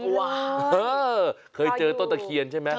ว้าวเออเคยเจอต้นตะเคียนใช่ไหม